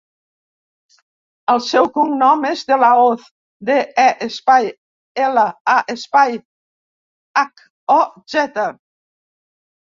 El seu cognom és De La Hoz: de, e, espai, ela, a, espai, hac, o, zeta.